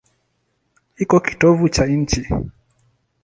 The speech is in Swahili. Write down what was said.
Iko kitovu cha nchi.